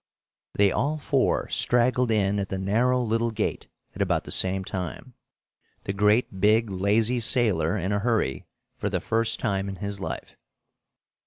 They all four straggled in at the narrow little gate at about the same time, the great big, lazy sailor in a hurry, for the first time in his life.